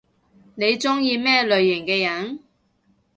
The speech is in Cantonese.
你中意咩類型嘅人？